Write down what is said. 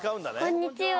こんにちは。